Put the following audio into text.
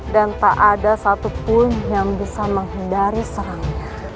dan tak ada satupun yang bisa menghindari serangnya